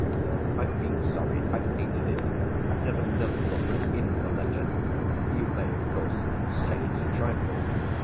I've been sorry, I've hated it I've never known what was in the letter. You may, of course, say it's a trifle